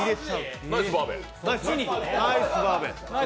ナイスバーベ！